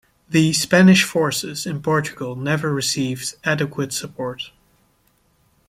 The Spanish forces in Portugal never received adequate support.